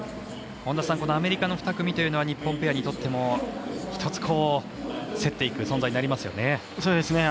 アメリカの２組というのは日本のペアにとっても１つ競っていく存在になりますね。